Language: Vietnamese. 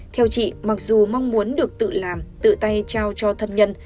theo chị mặc dù mong muốn được tự làm tự tay trao cho thân nhân